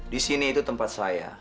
di sini itu tempat saya